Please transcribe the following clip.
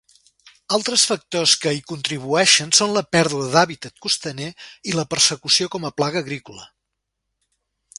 Altres factors que hi contribueixen són la pèrdua d'hàbitat costaner i la persecució com a plaga agrícola.